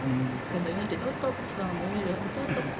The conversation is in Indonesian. benda ini ditutup selama ini ditutup